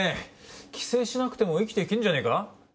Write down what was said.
寄生しなくても生きていけんじゃねえか。